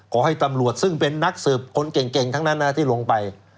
ขอให้ตำรวจซึ่งเป็นนักสืบคนเก่งทั้งนั้นที่ลงไป